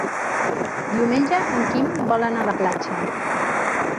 Diumenge en Quim vol anar a la platja.